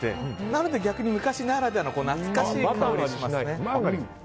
なので逆に昔ならではの懐かしい感じがします。